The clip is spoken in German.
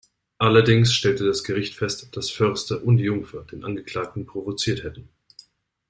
Allerdings stellte das Gericht fest, dass Förster und Jungfer den Angeklagten provoziert hätten.